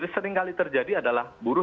seringkali terjadi adalah buruh